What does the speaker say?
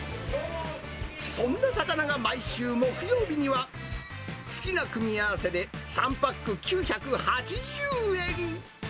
そんな魚が毎週木曜日には好きな組み合わせで３パック９８０円。